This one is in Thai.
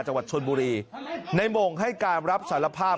จังหวัดชนบุรีในหม่งให้การรับสารภาพ